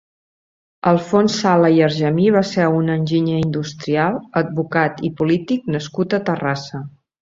Alfons Sala i Argemí va ser un enginyer industrial, advocat i polític nascut a Terrassa.